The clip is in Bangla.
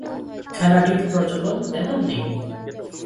খেলাটির প্রচলন তেমন নেই।